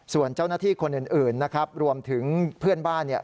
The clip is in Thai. ส่วนเจ้าหน้าที่คนอื่นนะครับรวมถึงเพื่อนบ้านเนี่ย